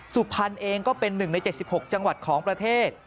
สุพรรณเองก็เป็น๑ใน๗๖จังหวัดของประเทศ